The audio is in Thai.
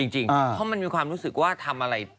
เพราะมันมีความรู้สึกว่าทำอะไร